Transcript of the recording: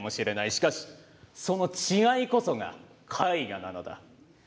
しかし、その違いこそが絵画なのだ。